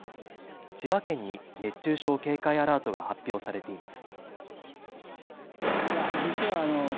千葉県に熱中症警戒アラートが発表されています。